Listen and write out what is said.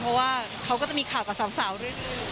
เพราะว่าเขาก็จะมีข่าวกับสาวด้วย